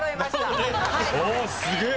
おおすげえ。